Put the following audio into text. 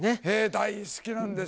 大好きなんですよ。